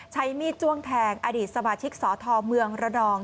ใช้มีดจ้วงแทงอดีตสมาชิกสทเมืองระนอง